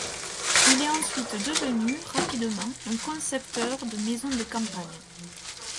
Il est ensuite devenu rapidement un concepteur de maisons de campagne.